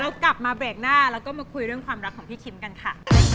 แล้วกลับมาเบรกหน้าแล้วก็มาคุยเรื่องความรักของพี่คิมกันค่ะ